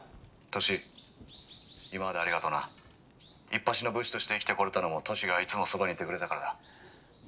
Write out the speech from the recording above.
いっぱしの武士として生きてこれたのも歳がいつもそばにいてくれたからだ」。